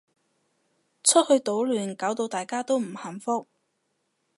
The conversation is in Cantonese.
出去搗亂搞到大家都唔幸福